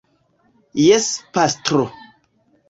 Jes, pastro.